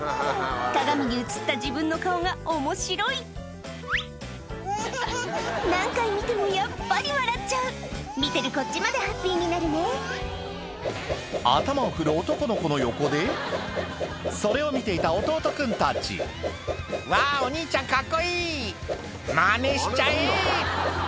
鏡に映った自分の顔が面白い何回見てもやっぱり笑っちゃう見てるこっちまでハッピーになるね頭を振る男の子の横でそれを見ていた弟君たち「わぁお兄ちゃんカッコいい！マネしちゃえ」